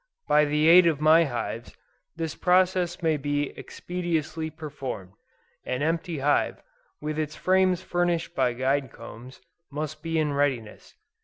By the aid of my hives, this process may be most expeditiously performed. An empty hive, with its frames furnished with guide combs, must be in readiness.